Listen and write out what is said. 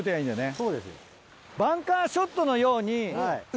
そうですよ。